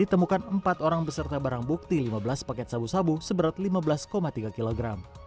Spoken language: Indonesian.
ditemukan empat orang beserta barang bukti lima belas paket sabu sabu seberat lima belas tiga kg